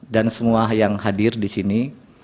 dan semua yang hadir di sini